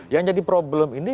yang jadi problem ini